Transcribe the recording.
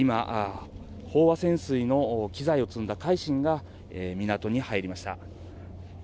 飽和潜水の機材を積んだ「海進」が港に入りました。